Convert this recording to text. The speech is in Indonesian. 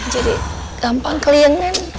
jadi gampang keliangan